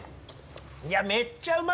いやめっちゃうまい。